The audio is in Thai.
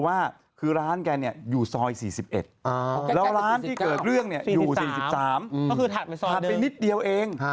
ก็คือถัดไปซอย๑ถัดไปนิดเดียวเอง